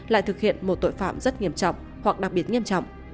lại thực hiện một tội phạm rất nghiêm trọng hoặc đặc biệt nghiêm trọng